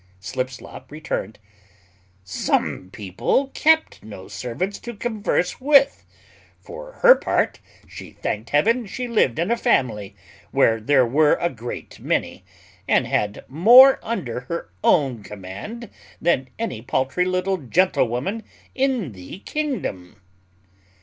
Slipslop returned, "Some people kept no servants to converse with; for her part, she thanked Heaven she lived in a family where there were a great many, and had more under her own command than any paultry little gentlewoman in the kingdom."